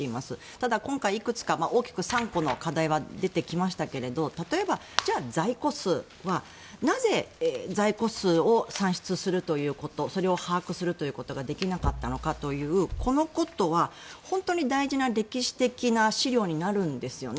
ただ今回、いくつか大きく３個の課題は出てきましたけど例えば、在庫数はなぜ在庫数を算出するということそれを把握するということができなかったのかというこのことは本当に大事な歴史的な資料になるんですよね。